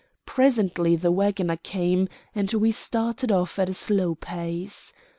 Presently the wagoner came, and we started off at a slow pace.